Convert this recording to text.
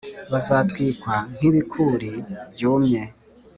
bazatwikwa nk’ibikūri byumye